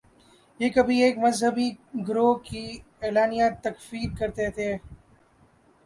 یہ کبھی ایک مذہبی گروہ کی اعلانیہ تکفیر کرتے تھے۔